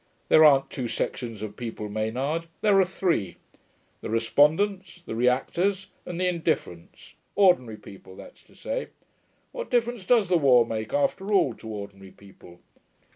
There aren't two sections of people, Maynard there are three; the respondents, the reactors, and the indifferents ordinary people, that's to say. What difference does the war make, after all to ordinary people?